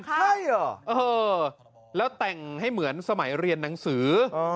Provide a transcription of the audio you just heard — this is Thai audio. ใช่เหรอแล้วแต่งให้เหมือนสมัยเรียนหนังสือ